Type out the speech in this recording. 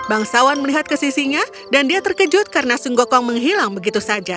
bangsawan melihat ke sisinya dan dia terkejut karena sung gokong menghilang begitu saja